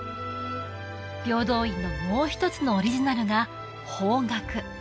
平等院のもう一つのオリジナルが方角